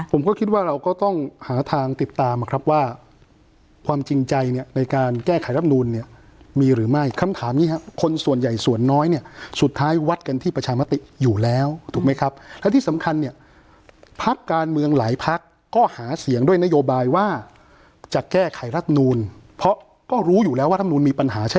ผมก็คิดว่าเราก็ต้องหาทางติดตามนะครับว่าความจริงใจเนี่ยในการแก้ไขรับนูนเนี่ยมีหรือไม่คำถามนี้ครับคนส่วนใหญ่ส่วนน้อยเนี่ยสุดท้ายวัดกันที่ประชามติอยู่แล้วถูกไหมครับและที่สำคัญเนี่ยพักการเมืองหลายพักก็หาเสียงด้วยนโยบายว่าจะแก้ไขรัฐนูลเพราะก็รู้อยู่แล้วว่ารัฐมนูลมีปัญหา